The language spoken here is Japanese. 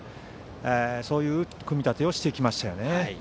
そういう組み立てをしてきましたよね。